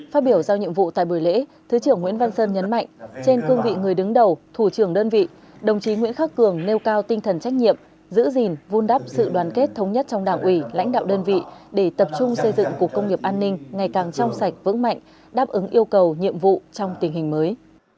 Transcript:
phát biểu giao nhiệm vụ tại buổi lễ thứ trưởng nguyễn văn sơn nhấn mạnh trên cương vị người đứng đầu thủ trưởng đơn vị đồng chí nguyễn khắc cường nêu cao tinh thần trách nhiệm giữ gìn vun đắp sự đoàn kết thống nhất trong đảng ủy lãnh đạo đơn vị để tập trung xây dựng cục công nghiệp an ninh ngày càng trong sạch vững mạnh đáp ứng yêu cầu nhiệm vụ trong tình hình mới